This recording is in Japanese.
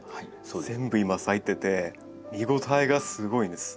全部今咲いてて見応えがすごいんです。